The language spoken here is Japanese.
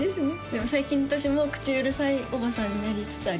でも最近私も口うるさいおばさんになりつつあります